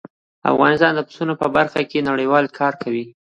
افغانستان د پسونو په برخه کې نړیوال کار کوي.